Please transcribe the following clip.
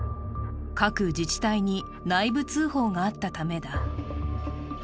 各自治体に内部通報があったためだ。